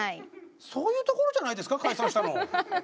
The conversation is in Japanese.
そういうところじゃないですか解散したの。